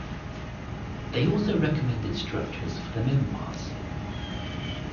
They also recommended structures for the memoirs.